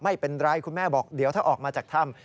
ไม่เป็นไรคุณแม่บอกเดี๋ยวถ้าออกมาจากถ้ำ